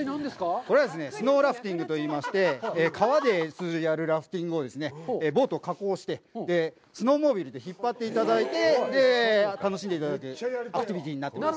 これはですね、スノーラフティングといいまして、川でやるラフティングを、ボートを加工して、スノーモービルで引っ張っていただいて楽しんでいただくアクティビティになっています。